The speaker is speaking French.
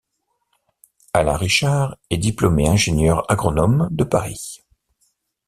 Alain Richard est diplômé ingénieur agronome de Paris.